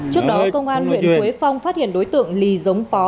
trước đó công an huyện quế phong phát hiện đối tượng lì giống pó